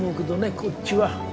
こっちは。